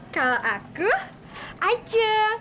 kalau aku aijul